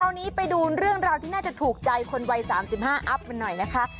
คราวนี้ไปดูเรื่องราวที่น่าจะถูกใจคนวัยสามสิบห้าอัพมันหน่อยนะคะ